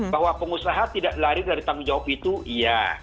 bahwa pengusaha tidak lari dari tanggung jawab itu iya